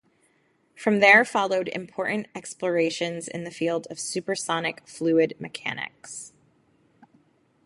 From there followed important explorations in the field of supersonic fluid mechanics.